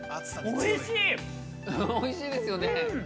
◆おいしいですよね。